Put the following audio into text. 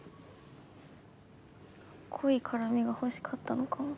濃い絡みが欲しかったのかも。